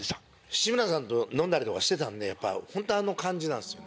志村さんと飲んだりしてたんで本当あの感じなんですよ。